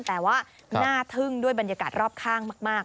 แต่ว่าน่าทึ่งด้วยบรรยากาศรอบข้างมาก